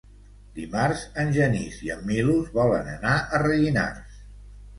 Dimarts en Genís i en Milos volen anar a Rellinars.